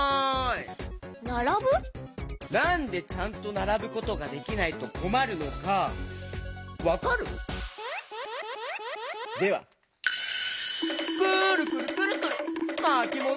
なんでちゃんとならぶことができないとこまるのかわかる？ではくるくるくるくるまきもどしタイム！